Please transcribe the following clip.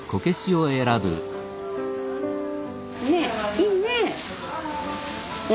ねえいいねえ。